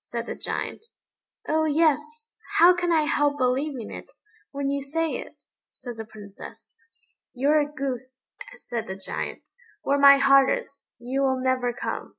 said the Giant. "Oh yes; how can I help believing it, when you say it?" said the Princess. "You're a goose," said the Giant; "where my heart is, you will never come."